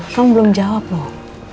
kamu belum jawab loh